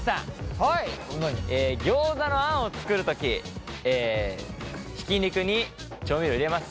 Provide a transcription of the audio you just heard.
ギョーザのあんを作る時ひき肉に調味料入れます。